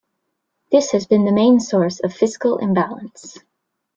This has been the main source of fiscal imbalance.